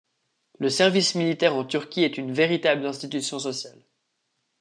Le service militaire en Turquie est une véritable institution sociale.